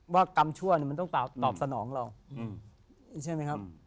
กรรมชั่วมันต้องตอบสนองเราใช่ไหมครับ